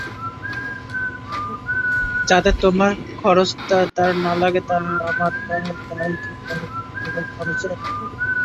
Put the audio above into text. যাতে তোমার খরচ তাঁর না লাগে আমরা তার– দায় কি কেবল খরচের?